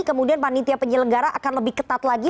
kemudian panitia penyelenggara akan lebih ketat lagi